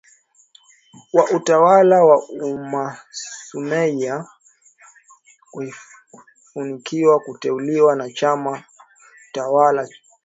wa Utawala wa UmmaSumaye hakufanikiwa kuteuliwa na chama tawala chama cha mapinduzi kama